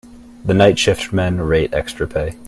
The night shift men rate extra pay.